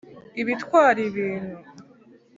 ibitwara ibintu